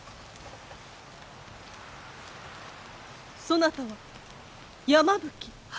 そなたは山吹。